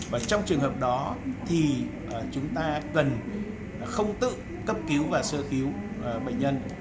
và trong trường hợp đó thì chúng ta cần không tự cấp cứu và sơ cứu bệnh nhân